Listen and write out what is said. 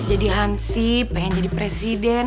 jadi hansi pengen jadi presiden